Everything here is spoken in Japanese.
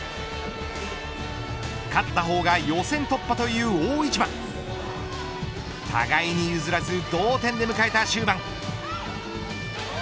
勝った方が予選突破という大一番互いに譲らず同点で迎えた終盤。